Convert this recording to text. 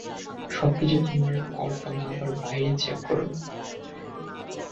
সবকিছু তোমার কল্পনা, আবার বাইরে চেক করো।